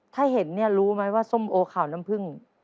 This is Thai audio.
ถ้าเห็นเนี่ยรู้ไหมว่าส้มโอขาวน้ำผึ้ง